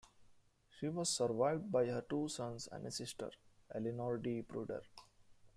She was survived by her two sons and a sister, Elinor Dee Pruder.